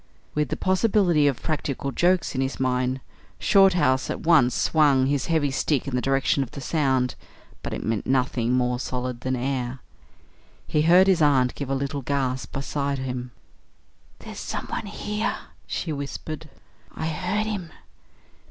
With the possibility of practical jokes in his mind, Shorthouse at once swung his heavy stick in the direction of the sound; but it met nothing more solid than air. He heard his aunt give a little gasp beside him. "There's someone here," she whispered; "I heard him."